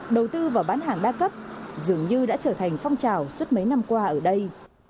đầu tư vào bán hàng đa cấp dường như đã trở thành phong trào suốt mấy năm qua ở đây